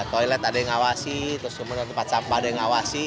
toilet ada yang ngawasi terus tempat sampah ada yang ngawasi